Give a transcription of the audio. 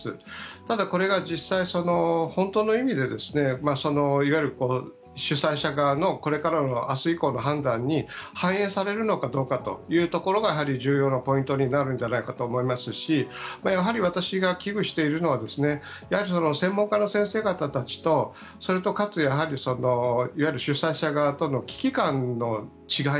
ただ、これが実際本当の意味でいわゆる主催者側のこれからの明日以降の判断に反映されるのかどうかというところが重要なポイントになるんじゃないかと思いますしやはり、私が危惧しているのは専門家の先生方たちとそれとかつ、いわゆる主催者側との危機感の違い。